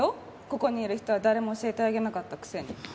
ここにいる人は誰も教えてあげなかったくせに。